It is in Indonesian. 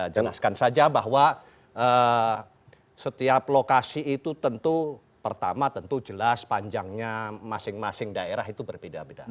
jelaskan saja bahwa setiap lokasi itu tentu pertama tentu jelas panjangnya masing masing daerah itu berbeda beda